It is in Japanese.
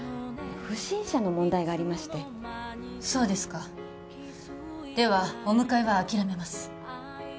不審者の問題がありましてそうですかではお迎えは諦めます